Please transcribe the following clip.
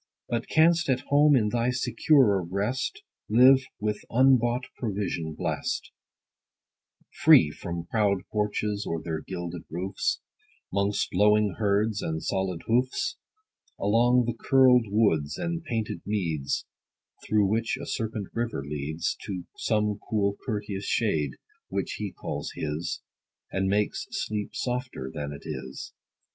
But canst at home, in thy securer rest, Live, with unbought provision blest ; Free from proud porches, or their gilded roofs, 'Mongst lowing herds, and solid hoofs : Along the curled woods, and painted meads, Through which a serpent river leads To some cool courteous shade, which he calls his, 10 And makes sleep softer than it is.